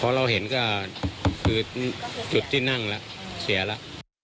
เพราะเราเห็นก็คือจุดที่นั่งแล้วเสียแล้ว